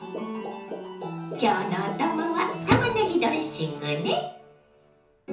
今日のお供はたまねぎドレッシングね。